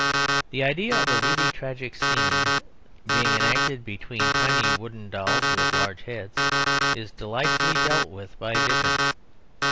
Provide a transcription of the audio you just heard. The idea of a really tragic scene being enacted between tiny wooden dolls with large heads is delightfully dealt with by Dickens.